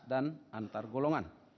dan antar golongan